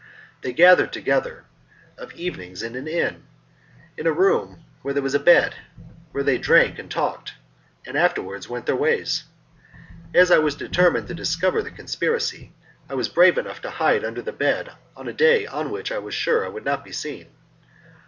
They gathered together of evenings in an inn, in a room where there was a bed; there they drank and talked, and afterwards went their ways. As I was determined to discover the conspiracy, I was brave enough to hide under the bed on a day on which I was sure I would not be seen.